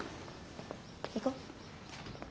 行こ？